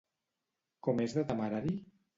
Com és de temerari?